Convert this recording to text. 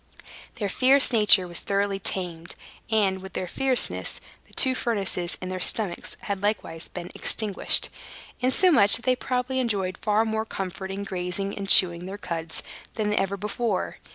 Their fierce nature was thoroughly tamed; and, with their fierceness, the two furnaces in their stomachs had likewise been extinguished, insomuch that they probably enjoyed far more comfort in grazing and chewing their cuds than ever before.